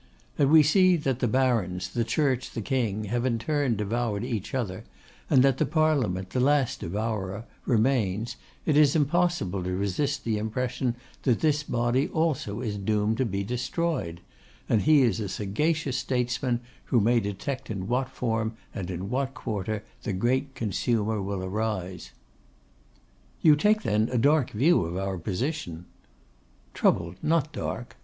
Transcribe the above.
As we see that the Barons, the Church, the King, have in turn devoured each other, and that the Parliament, the last devourer, remains, it is impossible to resist the impression that this body also is doomed to be destroyed; and he is a sagacious statesman who may detect in what form and in what quarter the great consumer will arise.' 'You take, then, a dark view of our position?' 'Troubled, not dark.